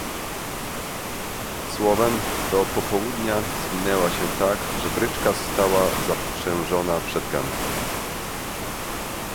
"Słowem, do popołudnia zwinęła się tak, że bryczka stała zaprzężona przed gankiem."